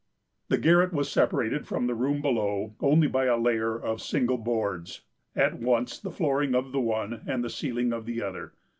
"The garret was separated from the room below only by a layer of single boards, at once the flooring of the one and the ceiling of the other.